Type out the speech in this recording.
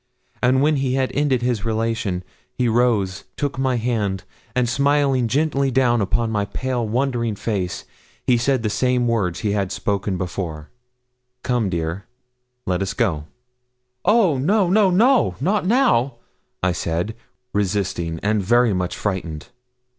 And when he had ended his relation, he rose, took my hand, and smiling gently down on my pale, wondering face, he said the same words he had spoken before 'Come, dear, let us go.' 'Oh! no, no, no not now,' I said, resisting, and very much frightened.